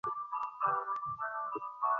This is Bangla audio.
একটু ঠাণ্ডা মস্তিষ্কে চিন্তা কর।